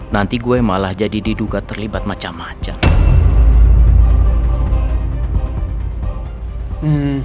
nanti gue malah jadi diduga terlibat macam macam